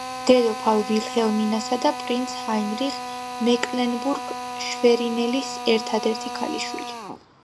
დედოფალ ვილჰელმინასა და პრინც ჰაინრიხ მეკლენბურგ-შვერინელის ერთადერთი ქალიშვილი.